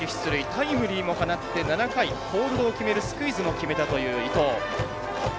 タイムリーも放って７回コールドを決めるスクイズも決めたという伊藤。